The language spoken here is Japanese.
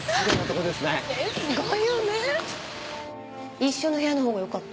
一緒の部屋の方がよかった？